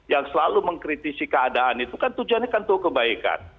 yang selalu mengkritisi keadaan itu kan tujuannya kan untuk kebaikan